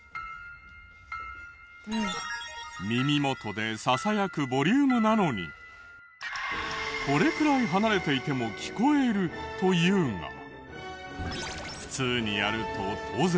耳元でささやくボリュームなのにこれくらい離れていても聞こえるというが普通にやると当然。